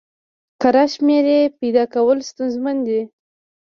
کره شمېرې پیدا کول ستونزمن دي.